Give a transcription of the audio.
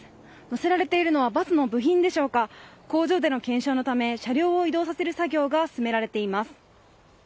載せられているのはバスの部品でしょうか、工場での検証のため、車両を移動させる作業が進められています。